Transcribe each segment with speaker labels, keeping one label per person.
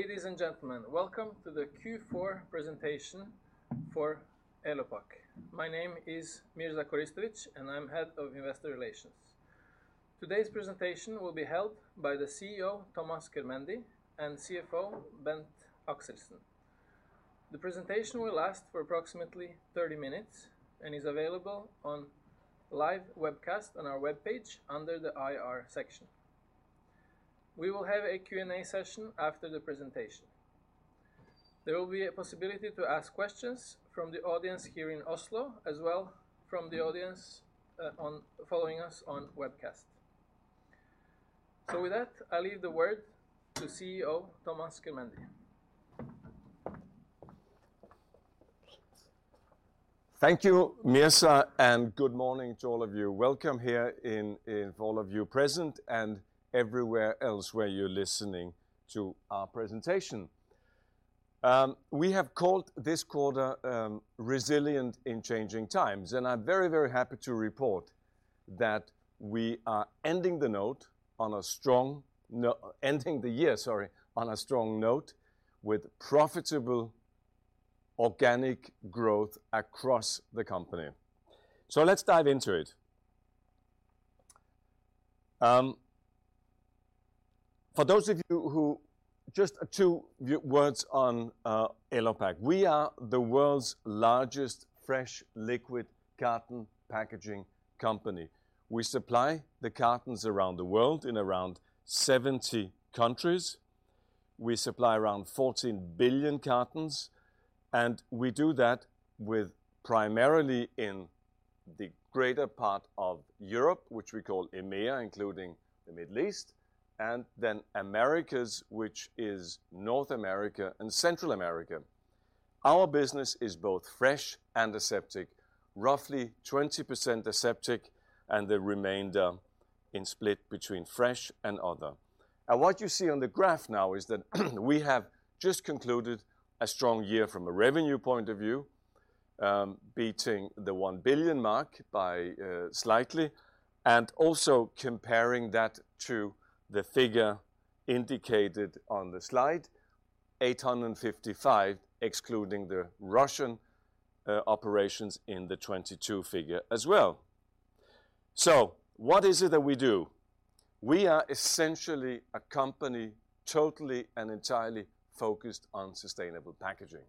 Speaker 1: Ladies and gentlemen, welcome to the Q4 presentation for Elopak. My name is Mirza Koristovic, and I'm Head of Investor Relations. Today's presentation will be held by the CEO, Thomas Körmendi, and CFO, Bent K. Axelsen. The presentation will last for approximately 30 minutes and is available on live webcast on our webpage under the IR section. We will have a Q&A session after the presentation. There will be a possibility to ask questions from the audience here in Oslo, as well from the audience following us on webcast. With that, I leave the word to CEO Thomas Körmendi.
Speaker 2: Thank you, Mirza. Good morning to all of you. Welcome here in all of you present and everywhere else where you're listening to our presentation. We have called this quarter Resilient in Changing Times. I'm very, very happy to report that we are ending the year, sorry, on a strong note with profitable organic growth across the company. Let's dive into it. For those of you who just two words on Elopak. We are the world's largest fresh liquid carton packaging company. We supply the cartons around the world in around 70 countries. We supply around 14 billion cartons. We do that with primarily in the greater part of Europe, which we call EMEA, including the Middle East, and then Americas, which is North America and Central America. Our business is both fresh and aseptic, roughly 20% aseptic and the remainder in split between fresh and other. What you see on the graph now is that we have just concluded a strong year from a revenue point of view, beating the 1 billion mark by slightly, and also comparing that to the figure indicated on the slide, 855, excluding the Russian operations in the 2022 figure as well. What is it that we do? We are essentially a company totally and entirely focused on sustainable packaging.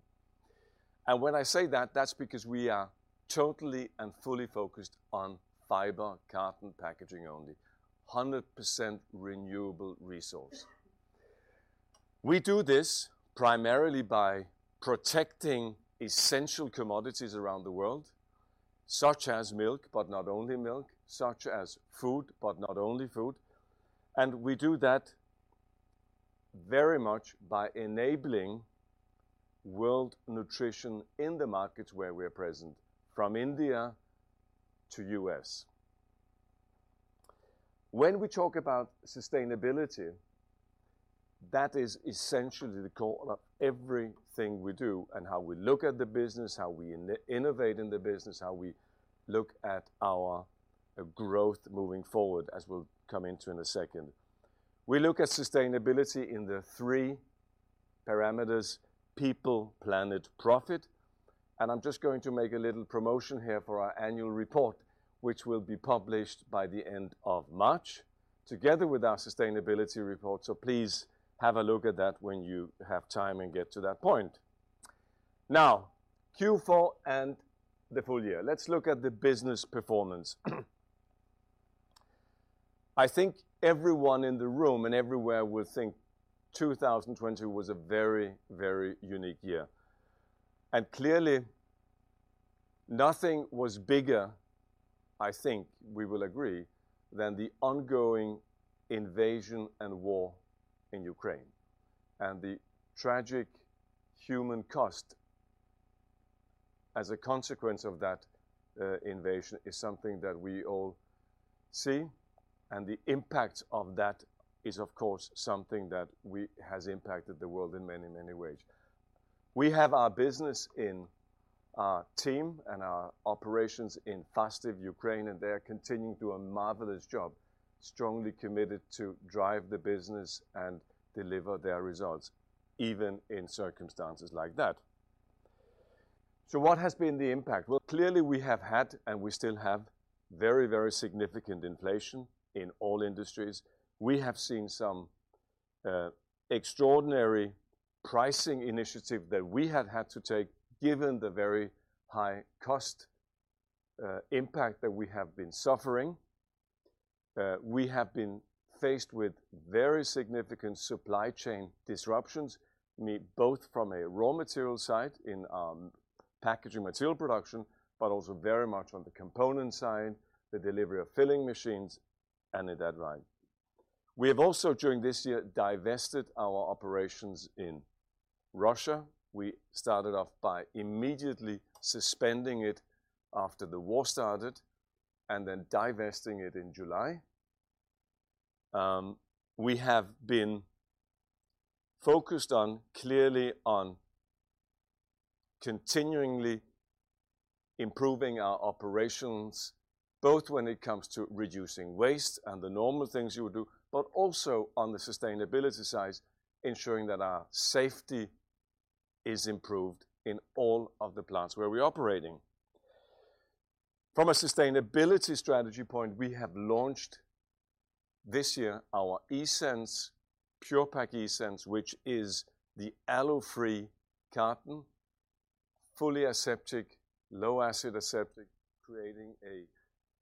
Speaker 2: When I say that's because we are totally and fully focused on fiber carton packaging only, 100% renewable resource. We do this primarily by protecting essential commodities around the world, such as milk, but not only milk, such as food, but not only food. We do that very much by enabling world nutrition in the markets where we're present, from India to U.S. When we talk about sustainability, that is essentially the core of everything we do and how we look at the business, how we innovate in the business, how we look at our growth moving forward, as we'll come into in a second. We look at sustainability in the three parameters: people, planet, profit. I'm just going to make a little promotion here for our annual report, which will be published by the end of March, together with our sustainability report. Please have a look at that when you have time and get to that point. Now, Q4 and the full year. Let's look at the business performance. I think everyone in the room and everywhere will think 2022 was a very unique year. Clearly, nothing was bigger, I think we will agree, than the ongoing invasion and war in Ukraine. The tragic human cost as a consequence of that invasion is something that we all see, and the impact of that is, of course, something that has impacted the world in many, many ways. We have our business in our team and our operations in Fastiv, Ukraine, and they are continuing to do a marvelous job, strongly committed to drive the business and deliver their results, even in circumstances like that. What has been the impact? Clearly we have had, and we still have very, very significant inflation in all industries. We have seen some extraordinary pricing initiative that we have had to take given the very high cost impact that we have been suffering. We have been faced with very significant supply chain disruptions, both from a raw material side in packaging material production, but also very much on the component side, the delivery of filling machines, and in that line. We have also, during this year, divested our operations in Russia. We started off by immediately suspending it after the war started and then divesting it in July. We have been focused on continually improving our operations, both when it comes to reducing waste and the normal things you would do, but also on the sustainability side, ensuring that our safety is improved in all of the plants where we're operating. From a sustainability strategy point, we have launched this year our Pure-Pak eSense, which is the alu-free carton, fully aseptic, low acid aseptic, creating a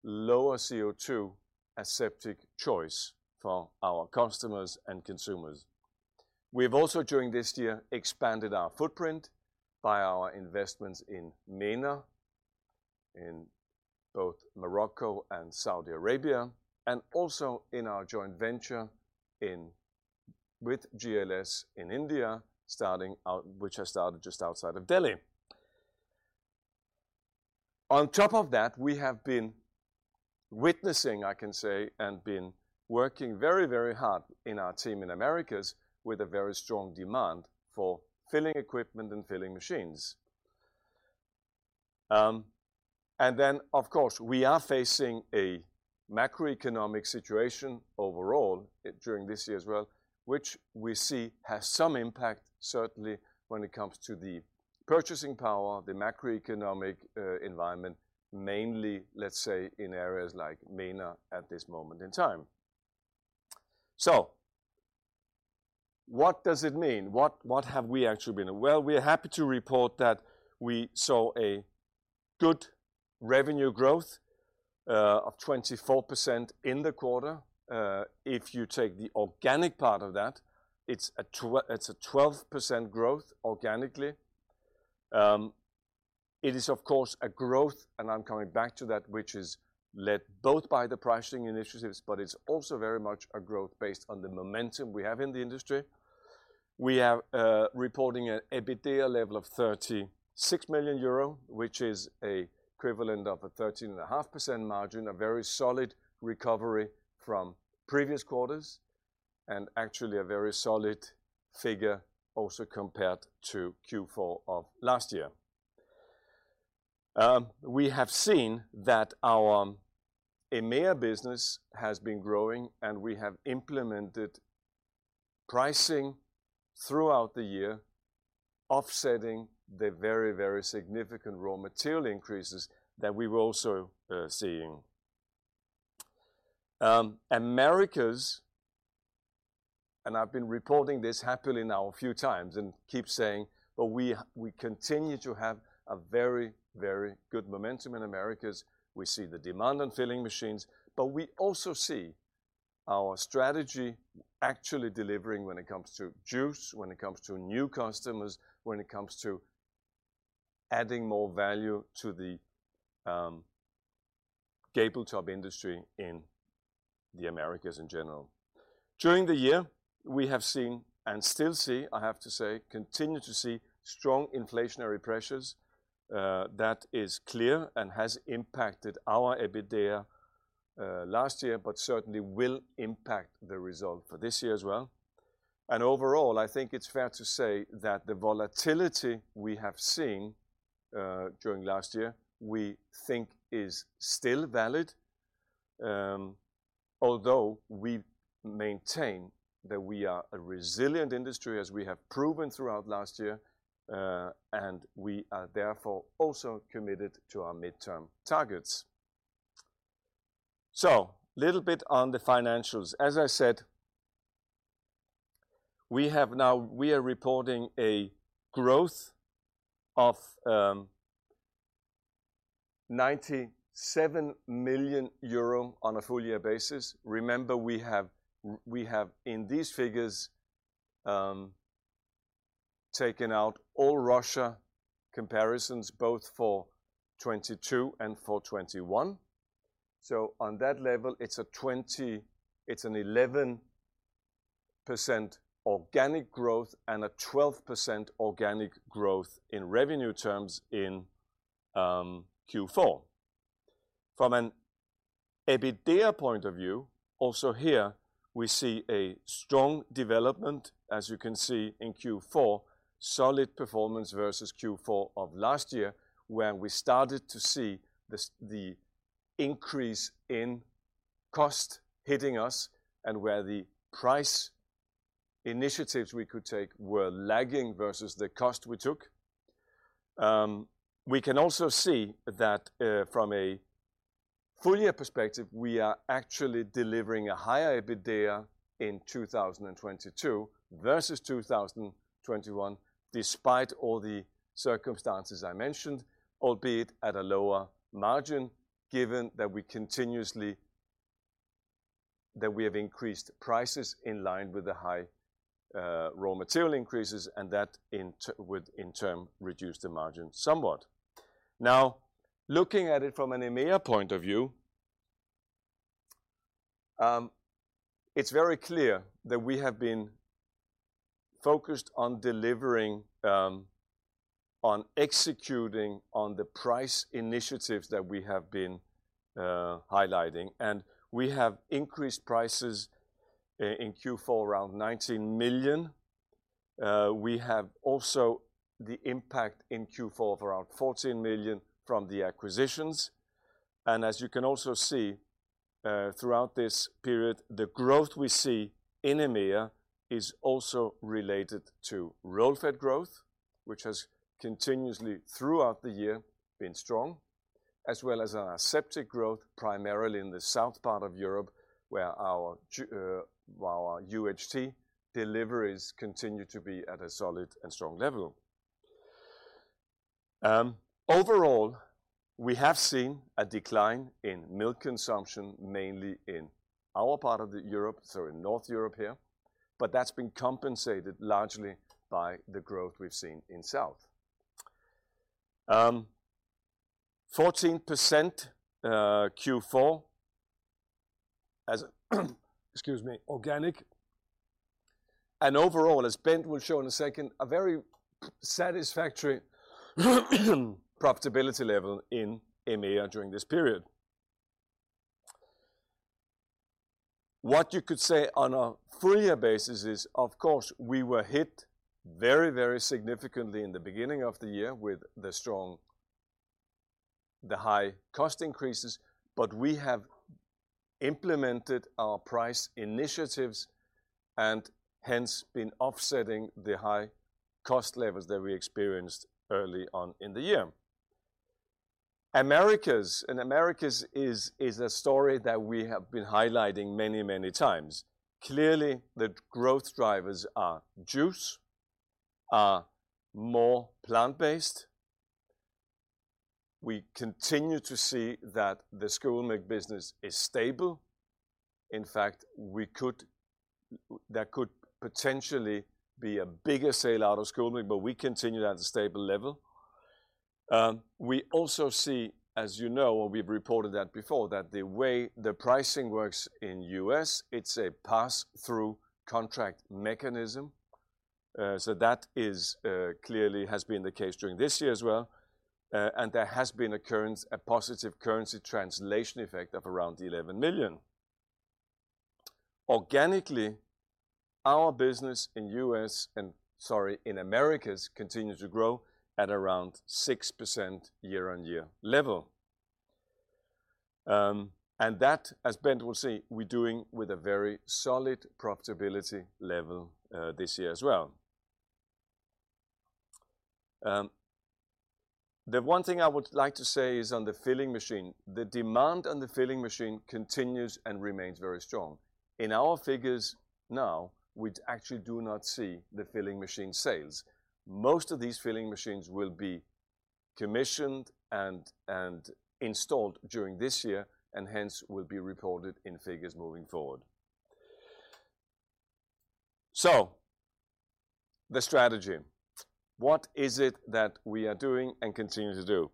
Speaker 2: lower CO₂ aseptic choice for our customers and consumers. We have also, during this year, expanded our footprint by our investments in MENA, in both Morocco and Saudi Arabia, and also in our joint venture with GLS in India, which has started just outside of Delhi. We have been witnessing, I can say, and been working very hard in our team in Americas with a very strong demand for filling equipment and filling machines. Of course, we are facing a macroeconomic situation overall, during this year as well, which we see has some impact certainly when it comes to the purchasing power, the macroeconomic environment, mainly, let's say, in areas like MENA at this moment in time. What does it mean? What have we actually been? Well, we're happy to report that we saw a good revenue growth of 24% in the quarter. If you take the organic part of that, it's a 12% growth organically. It is of course a growth, and I'm coming back to that, which is led both by the pricing initiatives, but it's also very much a growth based on the momentum we have in the industry. We are reporting an EBITDA level of 36 million euro which is equivalent of a 13.5% margin, a very solid recovery from previous quarters, and actually a very solid figure also compared to Q4 of last year. We have seen that our EMEA business has been growing, and we have implemented pricing throughout the year, offsetting the very, very significant raw material increases that we were also seeing. Americas, I've been reporting this happily now a few times and keep saying, but we continue to have a very, very good momentum in Americas. We see the demand on filling machines, but we also see our strategy actually delivering when it comes to juice, when it comes to new customers, when it comes to adding more value to the gable top industry in the Americas in general. During the year, we have seen and still see, I have to say, continue to see strong inflationary pressures, that is clear and has impacted our EBITDA last year, but certainly will impact the result for this year as well. Overall, I think it's fair to say that the volatility we have seen, during last year, we think is still valid, although we maintain that we are a resilient industry as we have proven throughout last year, and we are therefore also committed to our midterm targets. Little bit on the financials. As I said, we are reporting a growth of 97 million euro on a full year basis. Remember, we have in these figures, taken out all Russia comparisons, both for 2022 and for 2021. On that level, it's an 11% organic growth and a 12% organic growth in revenue terms in Q4. From an EBITDA point of view, also here we see a strong development, as you can see in Q4, solid performance versus Q4 of last year, where we started to see the increase in cost hitting us and where the price initiatives we could take were lagging versus the cost we took. We can also see that from a full year perspective, we are actually delivering a higher EBITDA in 2022 versus 2021, despite all the circumstances I mentioned, albeit at a lower margin, given that we continuously that we have increased prices in line with the high raw material increases, and that would in turn reduce the margin somewhat. Looking at it from an EMEA point of view, it's very clear that we have been focused on delivering, on executing on the price initiatives that we have been highlighting, and we have increased prices in Q4 around 19 million. We have also the impact in Q4 of around 14 million from the acquisitions. As you can also see, throughout this period, the growth we see in EMEA is also related to Roll Fed growth, which has continuously throughout the year been strong, as well as our aseptic growth, primarily in the south part of Europe, where our UHT deliveries continue to be at a solid and strong level. Overall, we have seen a decline in milk consumption, mainly in our part of the Europe, sorry, North Europe here. That's been compensated largely by the growth we've seen in South. 14% Q4 as, excuse me, organic and overall, as Bent will show in a second, a very satisfactory profitability level in EMEA during this period. What you could say on a full year basis is, of course, we were hit very significantly in the beginning of the year with the high cost increases. We have implemented our price initiatives and hence been offsetting the high cost levels that we experienced early on in the year. Americas. In Americas is a story that we have been highlighting many times. Clearly, the growth drivers are juice, are more plant-based. We continue to see that the School Milk business is stable. In fact, there could potentially be a bigger sale out of School Milk, but we continue at a stable level. We also see, as you know, we've reported that before, that the way the pricing works in US, it's a pass-through contract mechanism. That is clearly has been the case during this year as well. There has been a positive currency translation effect of around 11 million. Organically, our business in US and sorry, in Americas, continue to grow at around 6% year-on-year level. That, as Bent will say, we're doing with a very solid profitability level this year as well. The one thing I would like to say is on the filling machine, the demand on the filling machine continues and remains very strong. In our figures now, we actually do not see the filling machine sales. Most of these filling machines will be commissioned and installed during this year and hence will be recorded in figures moving forward. The strategy, what is it that we are doing and continue to do?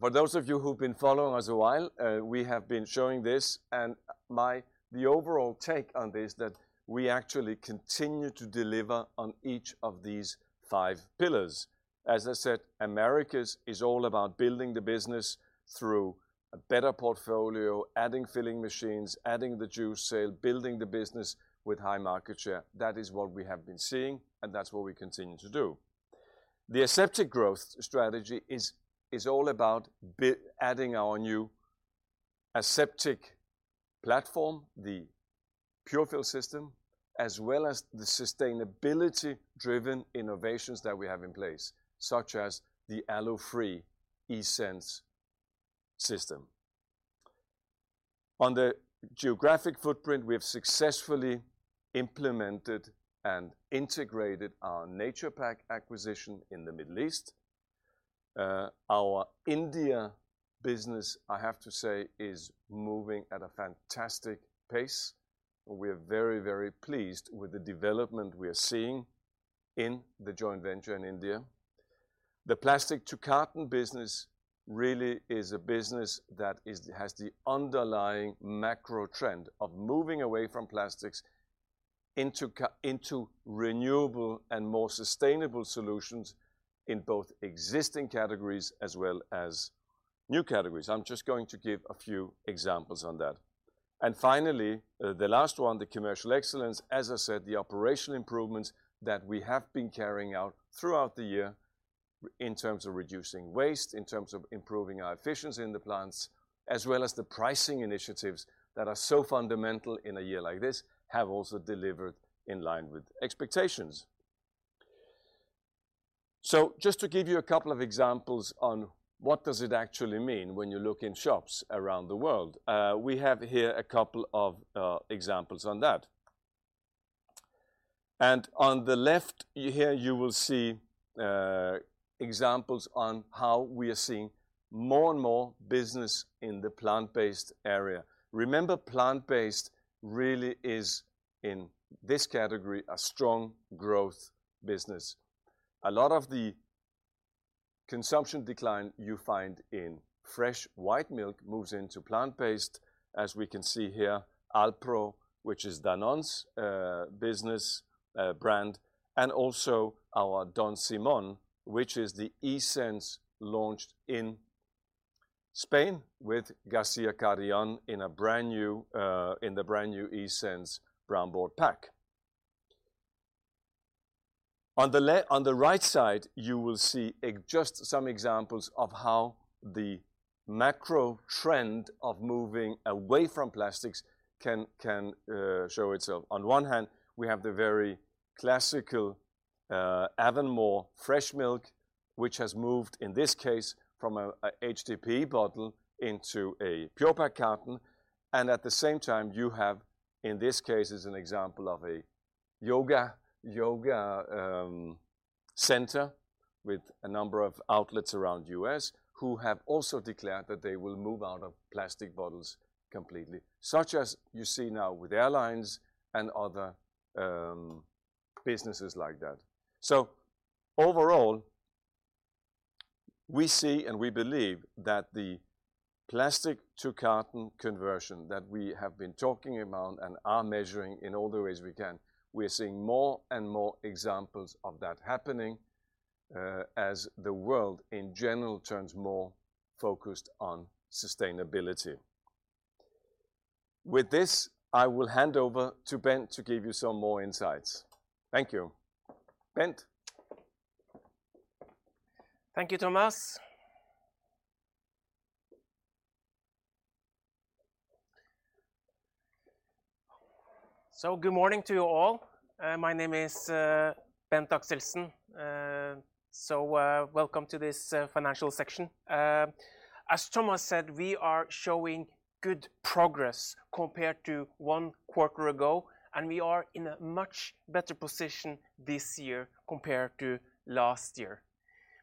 Speaker 2: For those of you who've been following us a while, we have been showing this and the overall take on this is that we actually continue to deliver on each of these five pillars. As I said, Americas is all about building the business through a better portfolio, adding filling machines, adding the juice sale, building the business with high market share. That is what we have been seeing, and that's what we continue to do. The aseptic growth strategy is all about adding our new aseptic platform, the Pure-Fill system, as well as the sustainability-driven innovations that we have in place, such as the alu-free eSense system. Our geographic footprint, we have successfully implemented and integrated our Naturepak acquisition in the Middle East. Our India business, I have to say, is moving at a fantastic pace. We're very pleased with the development we are seeing in the joint venture in India. The plastic to carton business really is a business that has the underlying macro trend of moving away from plastics into renewable and more sustainable solutions in both existing categories as well as new categories. I'm just going to give a few examples on that. Finally, the last one, the commercial excellence, as I said, the operational improvements that we have been carrying out throughout the year in terms of reducing waste, in terms of improving our efficiency in the plants, as well as the pricing initiatives that are so fundamental in a year like this, have also delivered in line with expectations. Just to give you a couple of examples on what does it actually mean when you look in shops around the world. We have here a couple of examples on that. On the left here, you will see examples on how we are seeing more and more business in the plant-based area. Remember, plant-based really is, in this category, a strong growth business. A lot of the consumption decline you find in fresh white milk moves into plant-based, as we can see here, Alpro, which is Danone's, business, brand, and also our Don Simón, which is the eSense launched in Spain with J. García Carrión in a brand new, in the brand new eSense brownboard pack. On the right side, you will see just some examples of how the macro trend of moving away from plastics can show itself. On one hand, we have the very classical Avonmore fresh milk, which has moved, in this case, from a HDPE bottle into a Pure-Pak carton. At the same time you have, in this case, as an example of a yoga center with a number of outlets around US who have also declared that they will move out of plastic bottles completely, such as you see now with airlines and other businesses like that. Overall, we see and we believe that the plastic to carton conversion that we have been talking about and are measuring in all the ways we can, we are seeing more and more examples of that happening as the world in general turns more focused on sustainability. With this, I will hand over to Bent to give you some more insights. Thank you. Bent?
Speaker 3: Thank you, Thomas. Good morning to you all. My name is Bent Axelsen, welcome to this financial section. As Thomas said, we are showing good progress compared to one quarter ago, we are in a much better position this year compared to last year.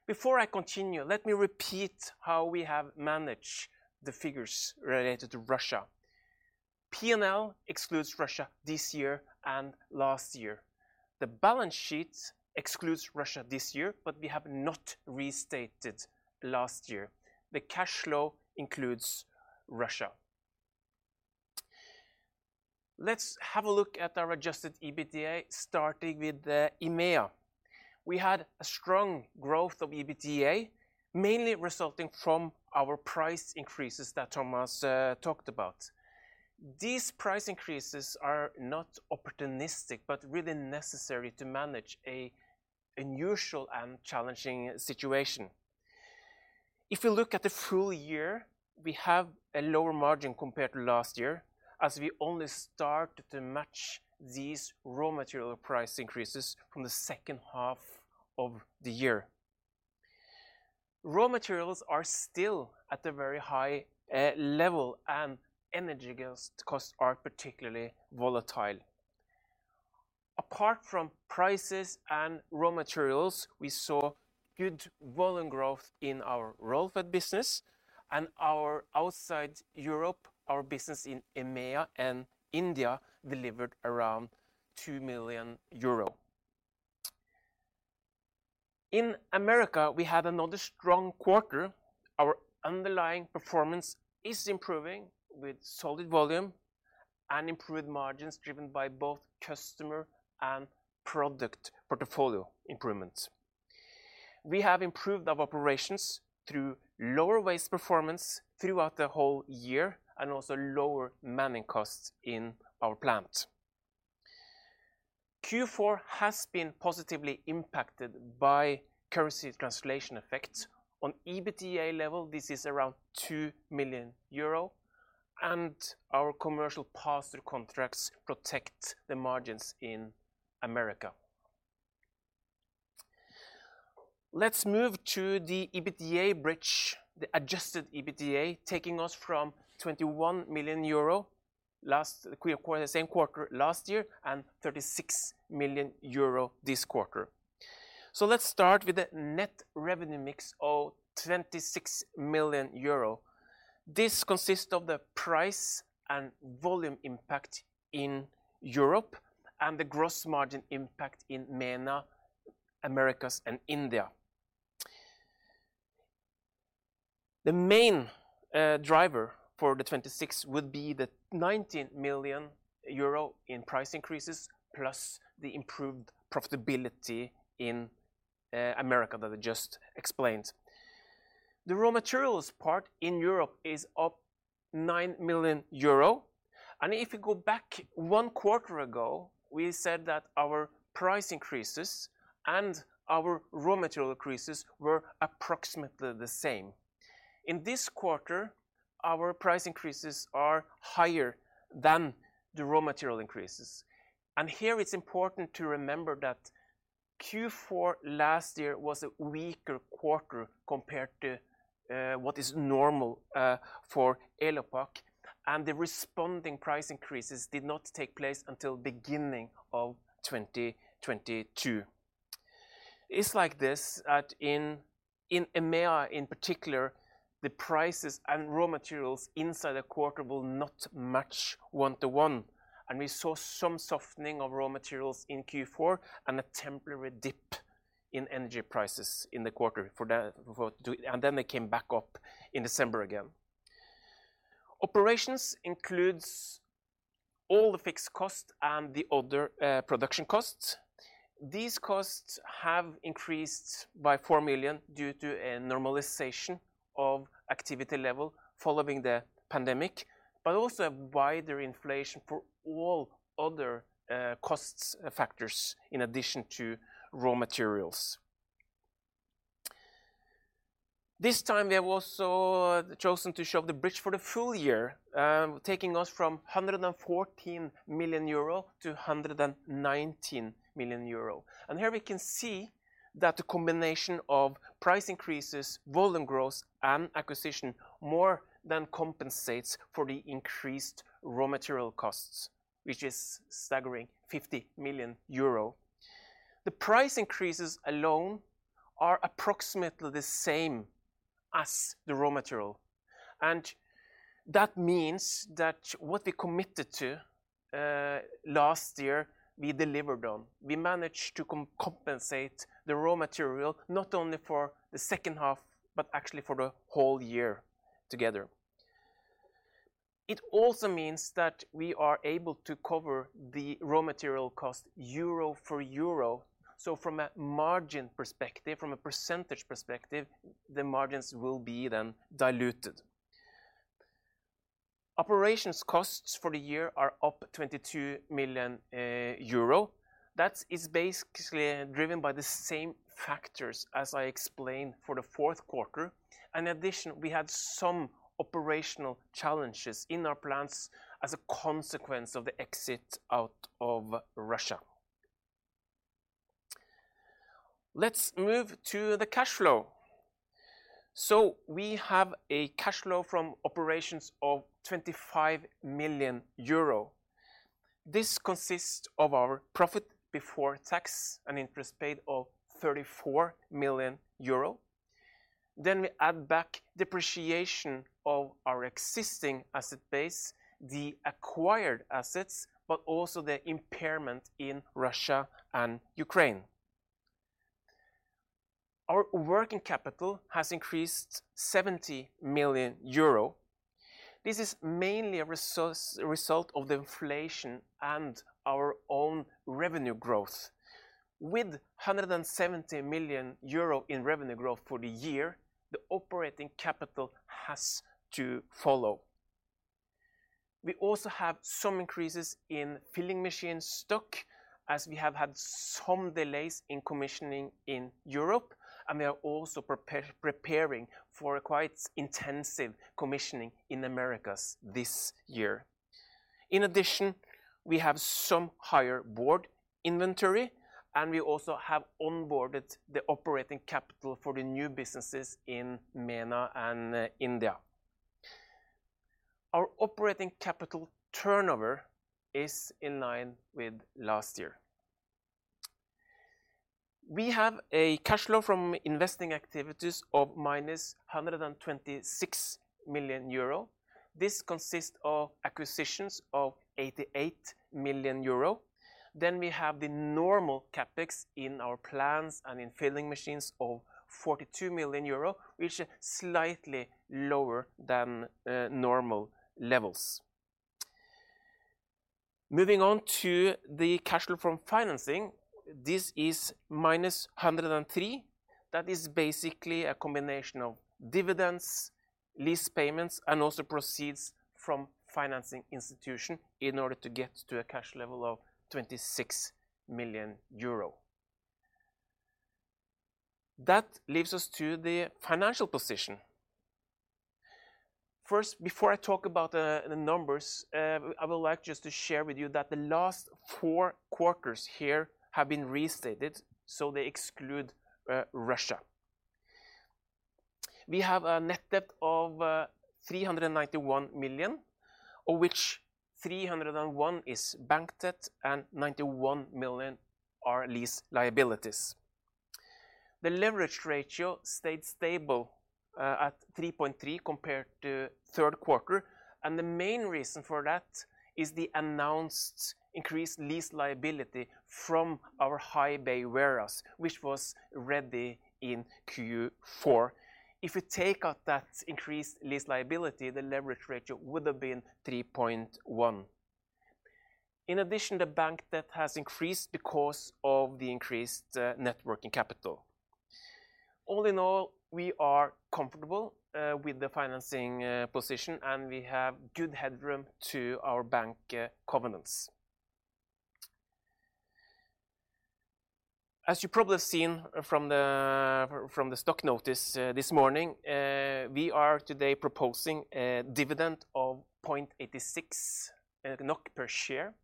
Speaker 3: Before I continue, let me repeat how we have managed the figures related to Russia. P&L excludes Russia this year and last year. The balance sheet excludes Russia this year, but we have not restated last year. The cash flow includes Russia. Let's have a look at our adjusted EBITDA, starting with the EMEA. We had a strong growth of EBITDA, mainly resulting from our price increases that Thomas talked about. These price increases are not opportunistic but really necessary to manage a unusual and challenging situation. If you look at the full year, we have a lower margin compared to last year, as we only start to match these raw material price increases from the second half of the year. Raw materials are still at a very high level, and energy gas costs are particularly volatile. Apart from prices and raw materials, we saw good volume growth in our Roll Fed business and our outside Europe, our business in EMEA and India delivered around EUR 2 million. In America, we had another strong quarter. Our underlying performance is improving with solid volume and improved margins driven by both customer and product portfolio improvements. We have improved our operations through lower waste performance throughout the whole year and also lower manning costs in our plant. Q4 has been positively impacted by currency translation effect. On EBITDA level, this is around 2 million euro. Our commercial pass-through contracts protect the margins in Americas. Let's move to the EBITDA bridge, the adjusted EBITDA, taking us from 21 million euro last year, and 36 million euro this quarter. Let's start with the net revenue mix of 26 million euro. This consists of the price and volume impact in Europe and the gross margin impact in MENA, Americas, and India. The main driver for the 26 would be the 19 million euro in price increases, plus the improved profitability in Americas that I just explained. The raw materials part in Europe is up 9 million euro. If you go back 1 quarter ago, we said that our price increases and our raw material increases were approximately the same. In this quarter, our price increases are higher than the raw material increases. Here it's important to remember that Q4 last year was a weaker quarter compared to what is normal for Elopak. The responding price increases did not take place until beginning of 2022. It's like this, in EMEA in particular, the prices and raw materials inside the quarter will not match 1 - 1. We saw some softening of raw materials in Q4 and a temporary dip in energy prices in the quarter. They came back up in December again. Operations includes all the fixed costs and the other production costs. These costs have increased by 4 million due to a normalization of activity level following the pandemic, but also a wider inflation for all other costs factors in addition to raw materials. This time, we have also chosen to show the bridge for the full year, taking us from 114 million euro to 119 million euro. Here we can see that the combination of price increases, volume growth, and acquisition more than compensates for the increased raw material costs, which is staggering 50 million euro. The price increases alone are approximately the same as the raw material, and that means that what we committed to last year, we delivered on. We managed to compensate the raw material not only for the second half, but actually for the whole year together. Also means that we are able to cover the raw material cost euro for euro, so from a margin perspective, from a percentage perspective, the margins will be then diluted. Operations costs for the year are up 22 million euro. That is basically driven by the same factors as I explained for the fourth quarter. In addition, we had some operational challenges in our plans as a consequence of the exit out of Russia. Let's move to the cash flow. We have a cash flow from operations of 25 million euro. This consists of our profit before tax and interest paid of 34 million euro. We add back depreciation of our existing asset base, the acquired assets, but also the impairment in Russia and Ukraine. Our working capital has increased 70 million euro. This is mainly a result of the inflation and our own revenue growth. With 170 million euro in revenue growth for the year, the operating capital has to follow. We also have some increases in filling machine stock, as we have had some delays in commissioning in Europe. We are also preparing for a quite intensive commissioning in Americas this year. In addition, we have some higher board inventory. We also have onboarded the operating capital for the new businesses in MENA and India. Our operating capital turnover is in line with last year. We have a cash flow from investing activities of minus 126 million euro. This consists of acquisitions of 88 million euro. We have the normal CapEx in our plans and in filling machines of 42 million euro, which is slightly lower than normal levels. Moving on to the cash flow from financing, this is minus 103 million. That is basically a combination of dividends, lease payments, and also proceeds from financing institution in order to get to a cash level of 26 million euro. That leaves us to the financial position. First, before I talk about the numbers, I would like just to share with you that the last four quarters here have been restated, so they exclude Russia. We have a net debt of 391 million , of which 301 million is bank debt and 91 million are lease liabilities. The leverage ratio stayed stable at 3.3 compared to third quarter, and the main reason for that is the announced increased lease liability from our high-bay warehouse, which was ready in Q4. If we take out that increased lease liability, the leverage ratio would have been 3.1. In addition, the bank debt has increased because of the increased net working capital. All in all, we are comfortable with the financing position, and we have good headroom to our bank covenants. As you've probably seen from the, from the stock notice this morning, we are today proposing a dividend of 0.86 NOK per share.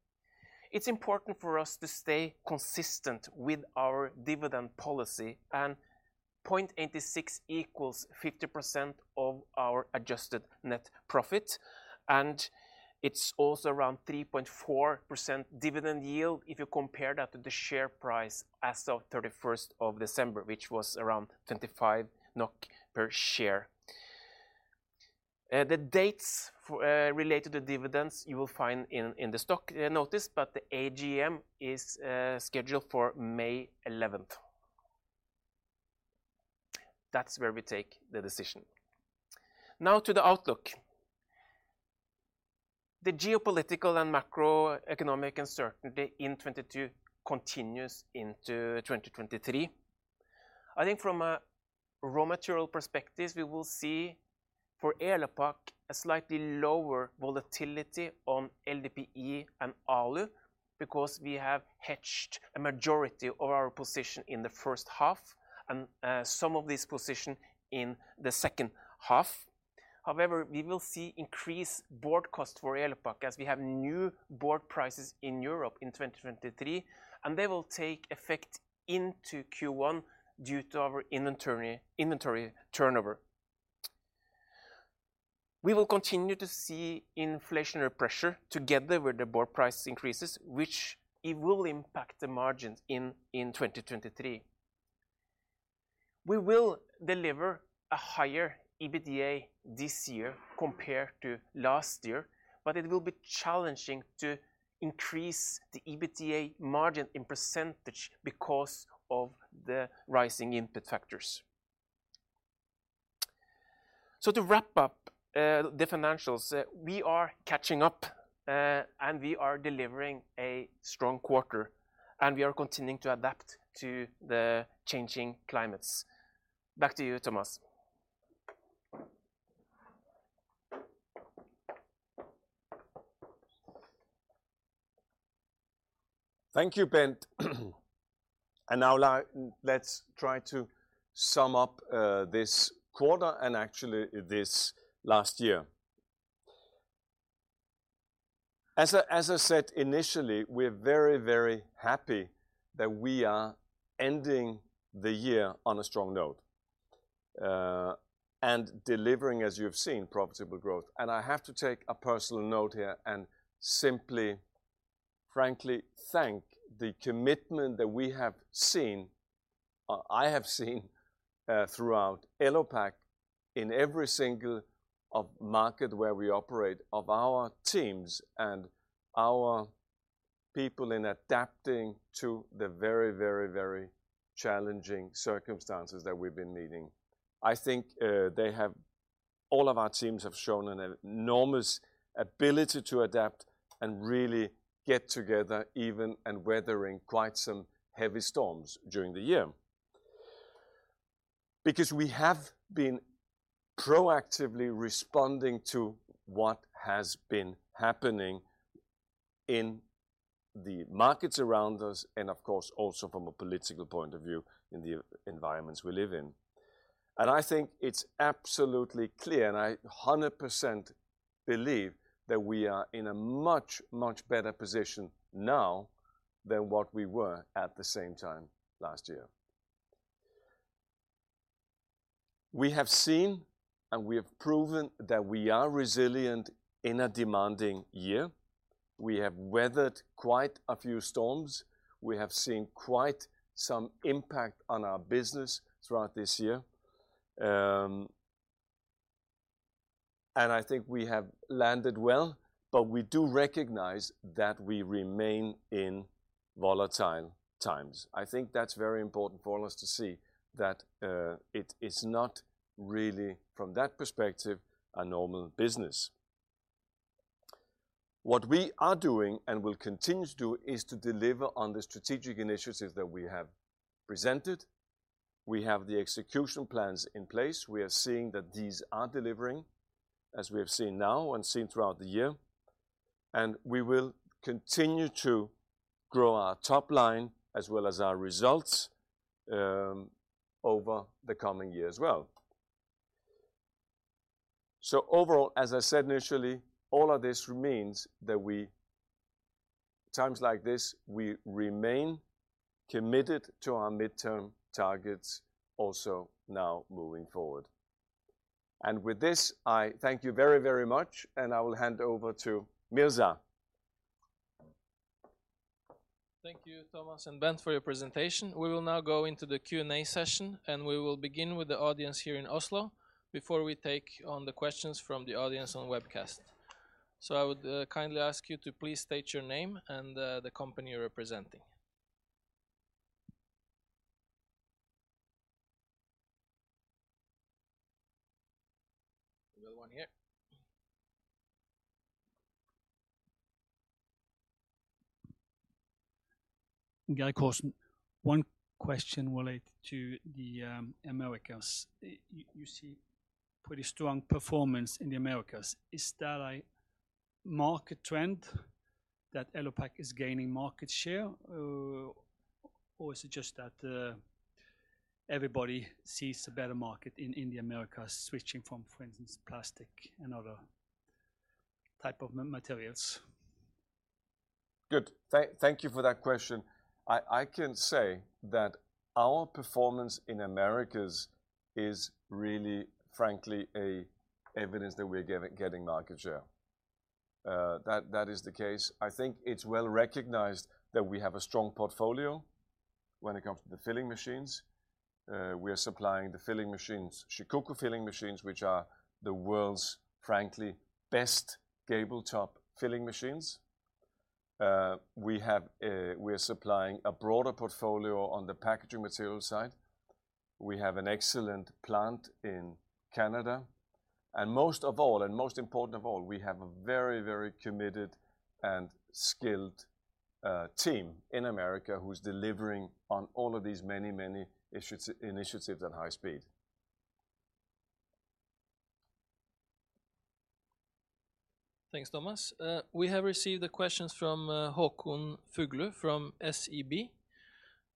Speaker 3: It's important for us to stay consistent with our dividend policy. 0.86 equals 50% of our adjusted net profit. It's also around 3.4% dividend yield if you compare that to the share price as of 31st of December, which was around 25 NOK per share. The dates for related to dividends you will find in the stock notice, but the AGM is scheduled for May 11th. That's where we take the decision. Now to the outlook. The geopolitical and macroeconomic uncertainty in 2022 continues into 2023. I think from a raw material perspective, we will see for Elopak a slightly lower volatility on LDPE and ALU because we have hedged a majority of our position in the first half and some of this position in the second half. We will see increased board costs for Elopak as we have new board prices in Europe in 2023, and they will take effect into Q1 due to our inventory turnover. We will continue to see inflationary pressure together with the board price increases, which it will impact the margins in 2023. We will deliver a higher EBITDA this year compared to last year. It will be challenging to increase the EBITDA margin in percentage because of the rising input factors. To wrap up the financials, we are catching up, and we are delivering a strong quarter, and we are continuing to adapt to the changing climates. Back to you, Thomas.
Speaker 2: Thank you, Bent. Now let's try to sum up this quarter and actually this last year. As I said initially, we're very happy that we are ending the year on a strong note and delivering, as you have seen, profitable growth. I have to take a personal note here and simply frankly thank the commitment that we have seen, I have seen, throughout Elopak in every single of market where we operate of our teams and our people in adapting to the very challenging circumstances that we've been meeting. I think, all of our teams have shown an enormous ability to adapt and really get together even and weathering quite some heavy storms during the year. We have been proactively responding to what has been happening in the markets around us and of course also from a political point of view in the environments we live in. I think it's absolutely clear, and I 100% believe that we are in a much, much better position now than what we were at the same time last year. We have seen, and we have proven that we are resilient in a demanding year. We have weathered quite a few storms. We have seen quite some impact on our business throughout this year. I think we have landed well, but we do recognize that we remain in volatile times. I think that's very important for us to see that it is not really from that perspective a normal business. What we are doing and will continue to do is to deliver on the strategic initiatives that we have presented. We have the execution plans in place. We are seeing that these are delivering, as we have seen now and seen throughout the year. We will continue to grow our top line as well as our results over the coming year as well. Overall, as I said initially, all of this means that times like this, we remain committed to our midterm targets also now moving forward. With this, I thank you very, very much, and I will hand over to Mirza.
Speaker 1: Thank you, Thomas and Bent, for your presentation. We will now go into the Q&A session, and we will begin with the audience here in Oslo before we take on the questions from the audience on webcast. I would kindly ask you to please state your name and the company you're representing. We've got one here.
Speaker 4: One question related to the Americas. You see pretty strong performance in the Americas. Is that a market trend that Elopak is gaining market share, or is it just that everybody sees a better market in the Americas switching from, for instance, plastic and other type of materials?
Speaker 2: Good. Thank you for that question. I can say that our performance in Americas is really frankly a evidence that we're getting market share. That is the case. I think it's well-recognized that we have a strong portfolio when it comes to the filling machines. We are supplying the filling machines, Shikoku filling machines, which are the world's frankly best gable top filling machines. We have, we are supplying a broader portfolio on the packaging material side. We have an excellent plant in Canada. Most of all, and most important of all, we have a very committed and skilled team in Americas who's delivering on all of these many issues, initiatives at high speed.
Speaker 1: Thanks, Thomas. We have received the questions from Håkon Fuglu from SEB,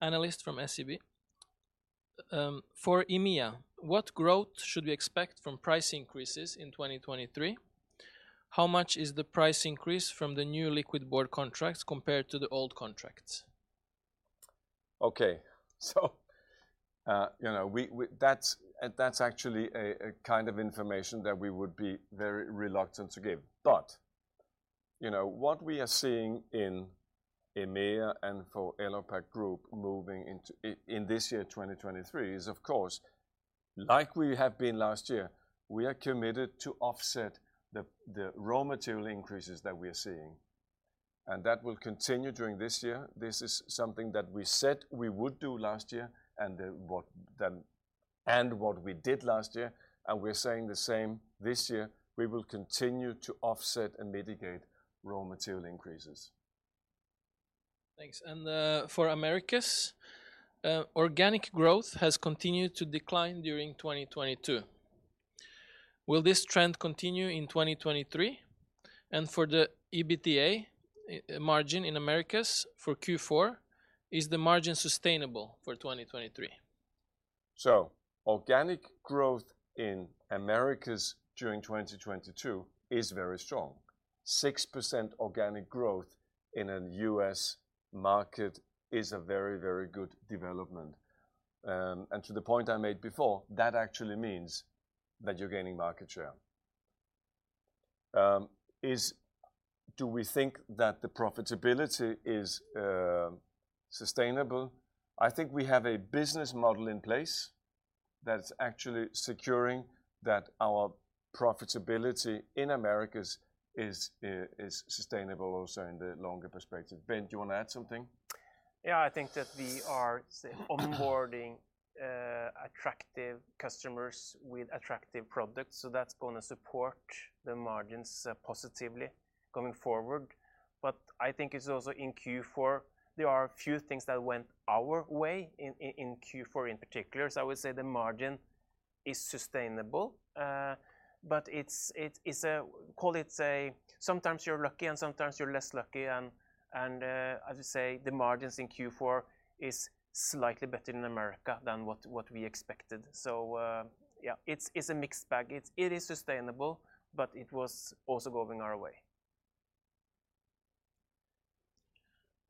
Speaker 1: analyst from SEB. For EMEA, what growth should we expect from price increases in 2023? How much is the price increase from the new liquid board contracts compared to the old contracts?
Speaker 2: Okay. You know, we... That's, that's actually a kind of information that we would be very reluctant to give. You know, what we are seeing in EMEA and for Elopak Group moving into in this year, 2023, is of course, like we have been last year, we are committed to offset the raw material increases that we are seeing, and that will continue during this year. This is something that we said we would do last year, and what we did last year, and we're saying the same this year. We will continue to offset and mitigate raw material increases.
Speaker 1: Thanks. For Americas, organic growth has continued to decline during 2022. Will this trend continue in 2023? For the EBITDA margin in Americas for Q4, is the margin sustainable for 2023?
Speaker 2: Organic growth in Americas during 2022 is very strong. 6% organic growth in a U.S. market is a very, very good development. To the point I made before, that actually means that you're gaining market share. Do we think that the profitability is sustainable? I think we have a business model in place that's actually securing that our profitability in Americas is sustainable also in the longer perspective. Bent, do you want to add something?
Speaker 3: Yeah, I think that we are say, onboarding, attractive customers with attractive products, so that's gonna support the margins, positively going forward. I think it's also in Q4, there are a few things that went our way in Q4 in particular. I would say the margin is sustainable. It's, it is a Call it say, sometimes you're lucky and sometimes you're less lucky, as I say, the margins in Q4 is slightly better in Americas than what we expected. Yeah, it's a mixed bag. It's, it is sustainable, but it was also going our way.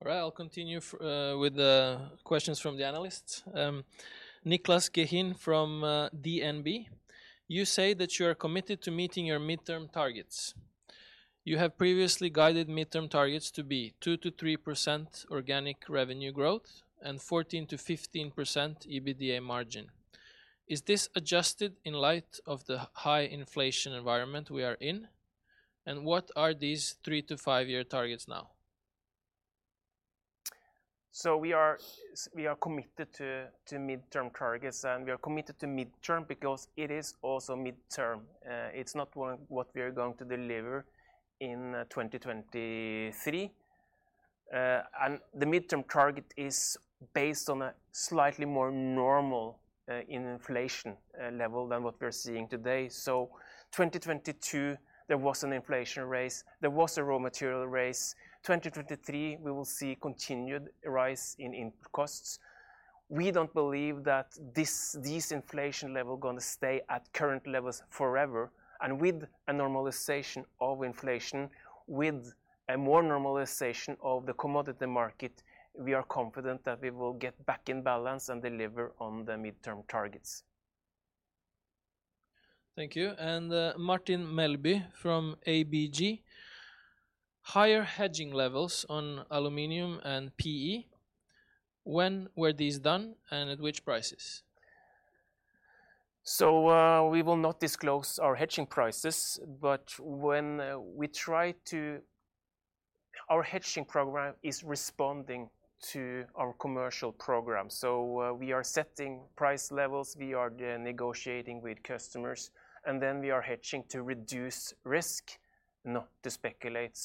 Speaker 1: All right, I'll continue with the questions from the analysts. Niklas Johansson from DNB. You say that you are committed to meeting your midterm targets. You have previously guided midterm targets to be 2%-3% organic revenue growth and 14%-15% EBITDA margin. Is this adjusted in light of the high inflation environment we are in? What are these 3-5-year targets now?
Speaker 3: We are committed to midterm targets, we are committed to midterm because it is also midterm. It's not what we are going to deliver in 2023. The midterm target is based on a slightly more normal inflation level than what we are seeing today. 2022, there was an inflation raise, there was a raw material raise. 2023, we will see continued rise in input costs. We don't believe that this inflation level gonna stay at current levels forever, with a normalization of inflation, with a more normalization of the commodity market, we are confident that we will get back in balance and deliver on the midterm targets.
Speaker 1: Thank you. Martin Melbye from ABG. Higher hedging levels on aluminum and PE, when were these done, and at which prices?
Speaker 3: We will not disclose our hedging prices, but when we try to, our hedging program is responding to our commercial program. We are setting price levels, we are negotiating with customers, and then we are hedging to reduce risk, not to speculate.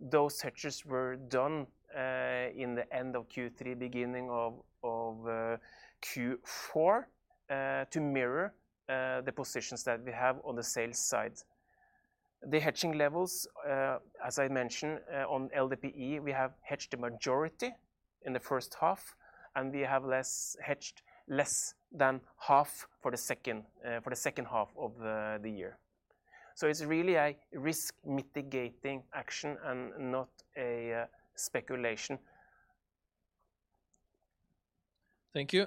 Speaker 3: Those hedges were done in the end of Q3, beginning of Q4, to mirror the positions that we have on the sales side. The hedging levels, as I mentioned, on LDPE, we have hedged the majority in the first half, and we have less hedged less than half for the second, for the second half of the year. It's really a risk mitigating action and not a speculation.
Speaker 1: Thank you.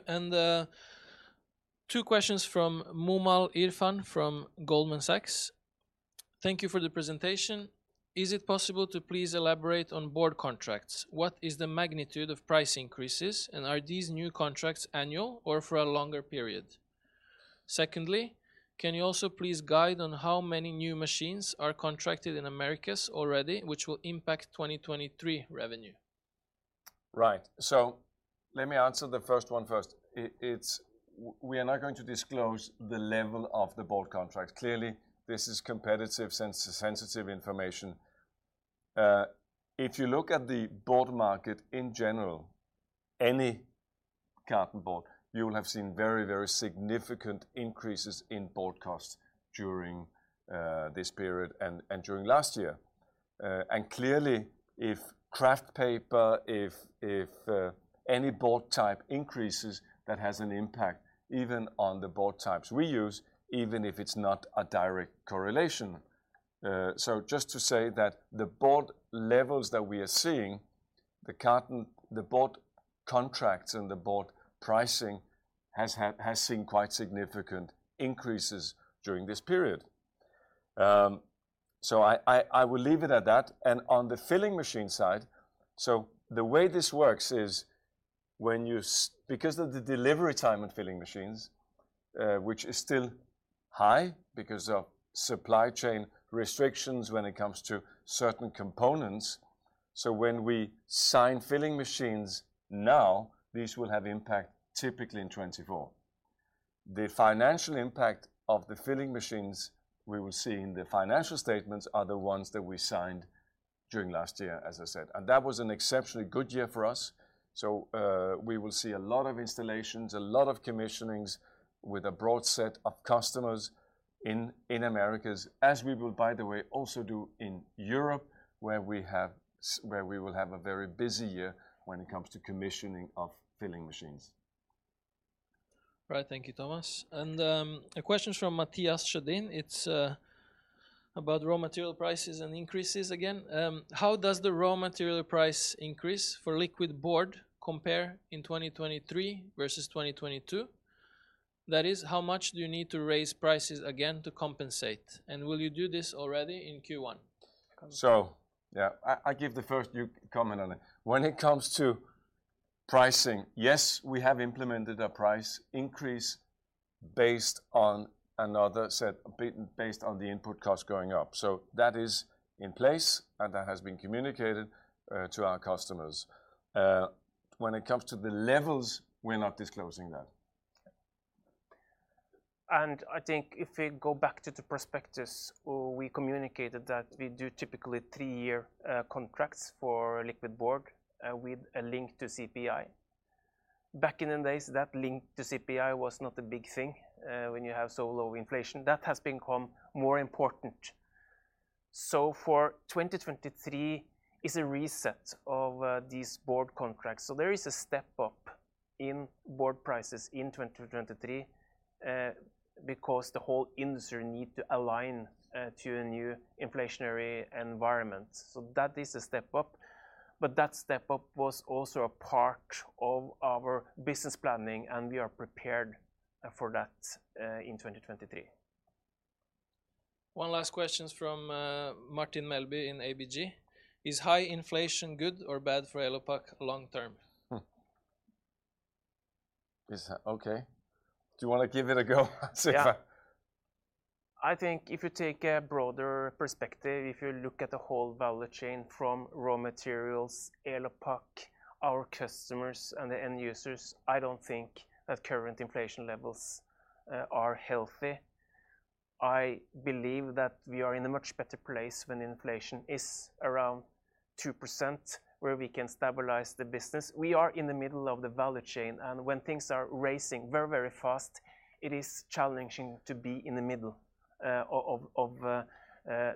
Speaker 1: Two questions from Mikael Asefaw from Goldman Sachs. Thank you for the presentation. Is it possible to please elaborate on board contracts? What is the magnitude of price increases, and are these new contracts annual or for a longer period? Secondly, can you also please guide on how many new machines are contracted in Americas already, which will impact 2023 revenue?
Speaker 2: Right. Let me answer the first one first. We are not going to disclose the level of the board contract. Clearly, this is competitive sensitive information. If you look at the board market in general, any carton board, you'll have seen very, very significant increases in board costs during this period and during last year. Clearly, if kraft paper, if any board type increases, that has an impact even on the board types we use, even if it's not a direct correlation. Just to say that the board levels that we are seeing, the board contracts and the board pricing has seen quite significant increases during this period. I will leave it at that. On the filling machine side, so the way this works is when you. Because of the delivery time on filling machines, which is still high because of supply chain restrictions when it comes to certain components. When we sign filling machines now, these will have impact typically in 2024. The financial impact of the filling machines we will see in the financial statements are the ones that we signed during last year, as I said, and that was an exceptionally good year for us. We will see a lot of installations, a lot of commissionings with a broad set of customers in Americas, as we will, by the way, also do in Europe, where we have where we will have a very busy year when it comes to commissioning of filling machines.
Speaker 1: Right. Thank you, Thomas. A question from Matthias Schadock. It's about raw material prices and increases again. How does the raw material price increase for liquid board compare in 2023 versus 2022? That is, how much do you need to raise prices again to compensate, and will you do this already in Q1?
Speaker 2: Yeah, I give the first. You comment on it. When it comes to pricing, yes, we have implemented a price increase based on another set, based on the input cost going up. That is in place, and that has been communicated to our customers. When it comes to the levels, we're not disclosing that.
Speaker 3: I think if we go back to the prospectus, we communicated that we do typically three-year contracts for liquid board with a link to CPI. Back in the days, that link to CPI was not a big thing when you have so low inflation. That has become more important. For 2023 is a reset of these board contracts, there is a step-up in board prices in 2023 because the whole industry need to align to a new inflationary environment. That is a step-up, but that step-up was also a part of our business planning, and we are prepared for that in 2023.
Speaker 1: One last question from, Martin Melbye in ABG. Is high inflation good or bad for Elopak long term?
Speaker 2: Hmm. Is... Okay. Do you wanna give it a go, Bent?
Speaker 3: I think if you take a broader perspective, if you look at the whole value chain from raw materials, Elopak, our customers and the end users, I don't think that current inflation levels are healthy. I believe that we are in a much better place when inflation is around 2%, where we can stabilize the business. We are in the middle of the value chain, when things are raising very, very fast, it is challenging to be in the middle of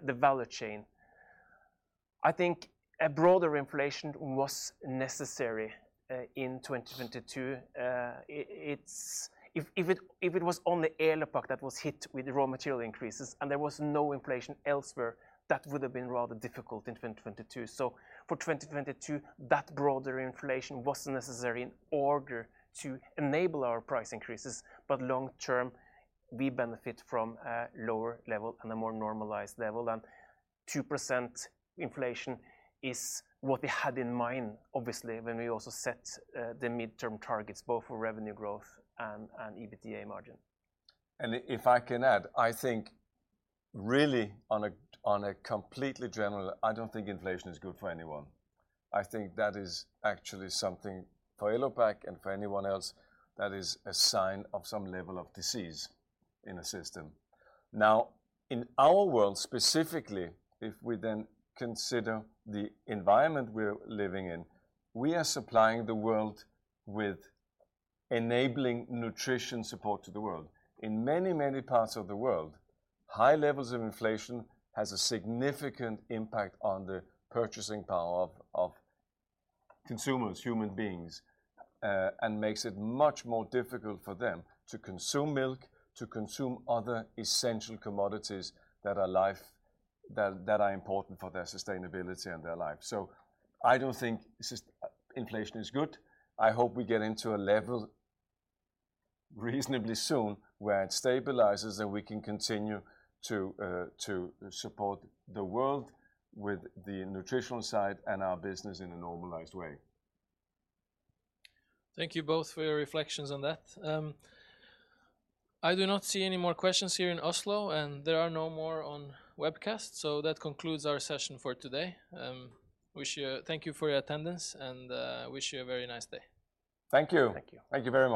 Speaker 3: the value chain. I think a broader inflation was necessary in 2022. If it was only Elopak that was hit with raw material increases, and there was no inflation elsewhere, that would have been rather difficult in 2022. For 2022, that broader inflation was necessary in order to enable our price increases, but long term, we benefit from a lower level and a more normalized level. 2% inflation is what we had in mind, obviously, when we also set the midterm targets, both for revenue growth and EBITDA margin.
Speaker 2: If I can add, I think really on a completely general, I don't think inflation is good for anyone. I think that is actually something for Elopak and for anyone else that is a sign of some level of disease in a system. In our world specifically, if we then consider the environment we're living in, we are supplying the world with enabling nutrition support to the world. In many, many parts of the world, high levels of inflation has a significant impact on the purchasing power of consumers, human beings, and makes it much more difficult for them to consume milk, to consume other essential commodities that are life, that are important for their sustainability and their life. I don't think this is, inflation is good. I hope we get into a level reasonably soon where it stabilizes, and we can continue to support the world with the nutritional side and our business in a normalized way.
Speaker 1: Thank you both for your reflections on that. I do not see any more questions here in-house, and there are no more on webcast, so that concludes our session for today. Thank you for your attendance, and wish you a very nice day.
Speaker 2: Thank you.
Speaker 3: Thank you.
Speaker 2: Thank you very much.